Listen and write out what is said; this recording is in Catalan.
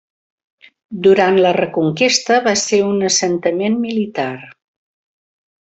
Durant la Reconquesta va ser un assentament militar.